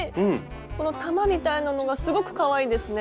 この玉みたいなのがすごくかわいいですね。